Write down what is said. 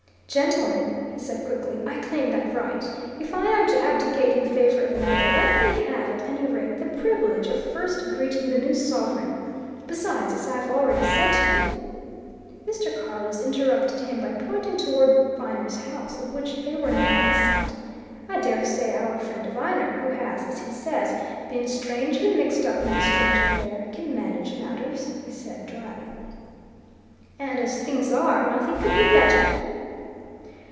"Gentlemen," he said quickly, "I claim that right! If I am to abdicate in favour of another, let me have at any rate the privilege of first greeting the new sovereign! Besides, as I have already said to you " Mr. Carless interrupted him by pointing toward Viner's house, of which they were now in sight. "I dare say our friend Viner, who has, as he says, been strangely mixed up in this strange affair, can manage matters," he said dryly. "And as things are, nothing could be better!"